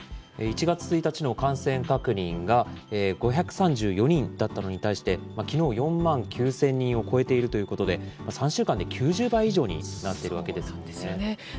１月１日の感染確認が５３４人だったのに対して、きのう、４万９０００人を超えているということで、３週間で９０倍以上になっているわけですよね。